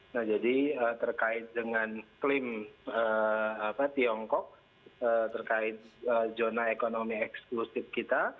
nah jadi terkait dengan klaim tiongkok terkait zona ekonomi eksklusif kita